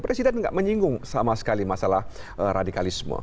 presiden tidak menyinggung sama sekali masalah radikalisme